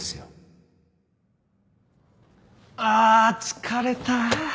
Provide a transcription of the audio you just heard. ・あ疲れた！